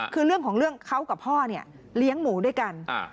คือเรื่องของเรื่องเขากับพ่อเนี่ยเลี้ยงหมูด้วยกัน